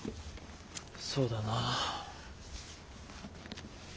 そうだな。